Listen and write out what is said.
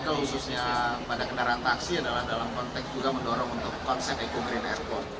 khususnya pada kendaraan taksi adalah dalam konteks juga mendorong untuk konsep equo green airport